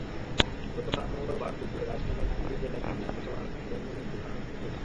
গতকাল মঙ্গলবার দুপুরে রাজধানী মার্কেটে গিয়ে দেখা যায়, দোতলায় খেলনার দোকানগুলো খোলা।